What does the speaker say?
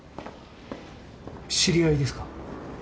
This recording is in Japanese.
知り合いですか？